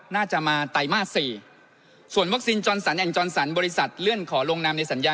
น่าจะมาไตรมาส๔ส่วนวัคซีนจอนสันแอ่งจอนสันบริษัทเลื่อนขอลงนามในสัญญา